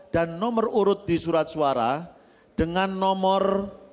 dan nomor urut di surat suara dengan nomor dua